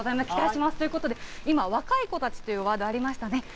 期待します、ということで、今、若い子たちというワードありましたね。